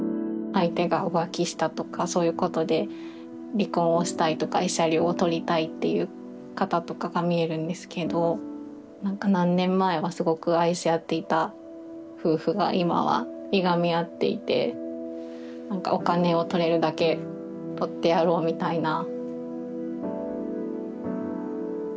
相手が浮気したとかそういうことで離婚をしたいとか慰謝料を取りたいっていう方とかがみえるんですけど何か何年前はすごく愛し合っていた夫婦が今はいがみ合っていて何かお金を取れるだけ取ってやろうみたいな。